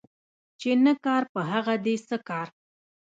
چي نه کار په هغه دي څه کار